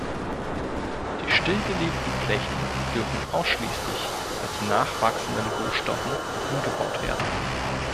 Die stillgelegten Flächen dürfen ausschließlich mit nachwachsenden Rohstoffen angebaut werden.